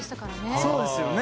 そうですよね。